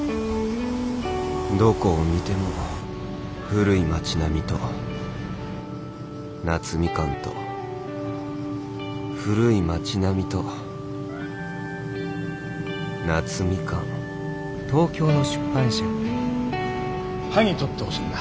どこを見ても古い町並みと夏みかんと古い町並みと夏みかん萩撮ってほしいんだ。